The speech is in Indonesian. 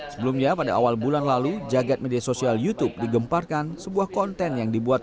sebelumnya pada awal bulan lalu jagad media sosial youtube digemparkan sebuah konten yang dibuat